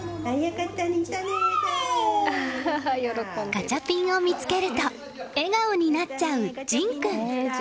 ガチャピンを見つけると笑顔になっちゃう仁君。